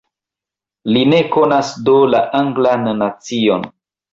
Li ne konas do la Anglan nacion.